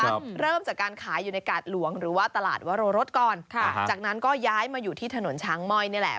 เริ่มจากการขายอยู่ในกาดหลวงหรือว่าตลาดวโรรสก่อนค่ะจากนั้นก็ย้ายมาอยู่ที่ถนนช้างม่อยนี่แหละ